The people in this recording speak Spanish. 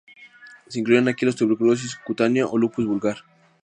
Se incluían aquí la tuberculosis cutánea o lupus vulgar.